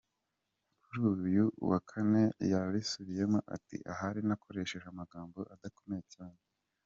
Kuri uyu wa Kane yabisubiyemo ati “Ahari nakoresheje amagambo adakomeye cyane.